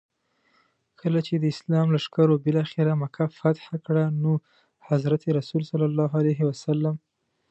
کله چي د اسلام لښکرو بالاخره مکه فتح کړه نو حضرت رسول ص.